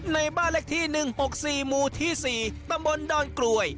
ในบ้านเลขที่๑๖๔หมู่ที่๔ตำบลดอนกลวย